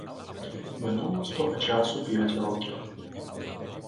Минуло з того часу п'ять років.